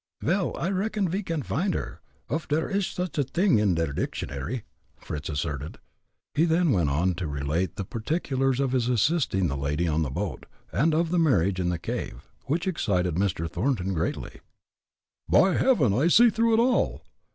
"Vel, I reckon ve can find her, uff der ish such a t'ing in der dictionary," Fritz asserted. He then went on to relate the particulars of his assisting the lady on the boat, and of the marriage in the cave, which excited Mr. Thornton greatly. "By Heaven! I see through it all!